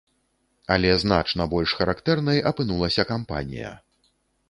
Але значна больш характэрнай апынулася кампанія.